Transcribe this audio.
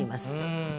うん。